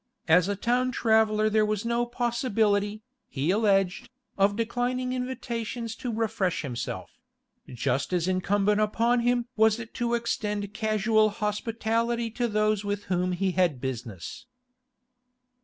As a town traveller there was no possibility, he alleged, of declining invitations to refresh himself; just as incumbent upon him was it to extend casual hospitality to those with whom he had business.